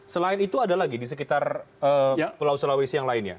selain itu ada lagi di sekitar pulau sulawesi yang lainnya